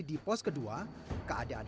kita akan lakukan masa lalu